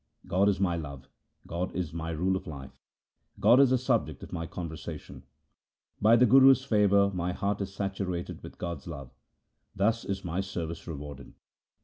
God is my love, God is my rule of life, God is the subject of my conversation. By the Guru's favour my heart is saturated with God's love ; thus is my service rewarded.